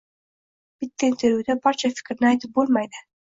bitta intervyuda barcha fikrni aytib bo‘lmaydi.